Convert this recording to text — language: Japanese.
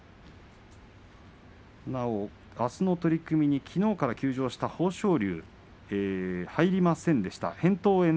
なお、あすの取組に、きのうから休場した豊昇龍入りませんでした。